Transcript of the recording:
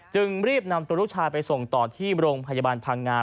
จึงรีบนำตัวลูกชายไปส่งต่อที่โรงพยาบาลพังงา